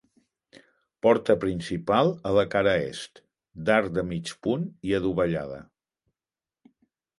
Porta principal a la cara est, d'arc de mig punt i adovellada.